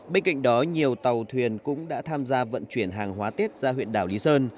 bên cạnh đó nhiều tàu thuyền cũng đã tham gia vận chuyển hàng hóa tết ra huyện đảo lý sơn